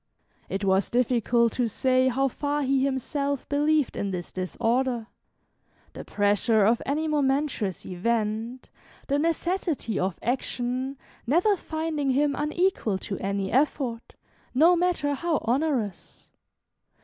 It was difficult to say how far he himself believed in this disorder, the pressure of any momentous event, the necessity of action, never finding him unequal to any effort, no matter how onerous.